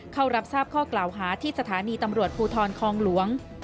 เข้ารับทราบข้อกล่าวหาที่สถานีตำรวจภูทรคองหลวง